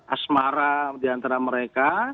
asmara diantara mereka